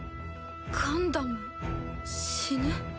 ガンダム死ぬ？